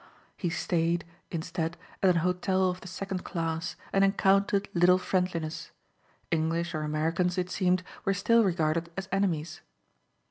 He stayed, instead, at an hotel of the second class and encountered little friendliness. English or Americans, it seemed, were still regarded as enemies.